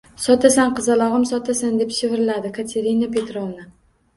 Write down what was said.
Sotasan, qizalogʻim, sotasan, – deb shivirladi Katerina Petrovna.